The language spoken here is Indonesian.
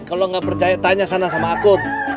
kalau nggak percaya tanya sana sama aku